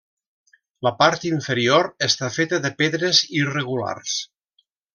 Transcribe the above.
La part inferior està feta de pedres irregulars.